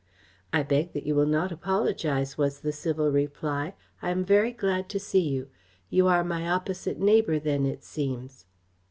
"I beg that you will not apologise," was the civil reply. "I am very glad to see you. You are my opposite neighbour then, it seems."